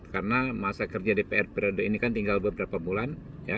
karena masa kerja dpr periode ini kan tinggal beberapa bulan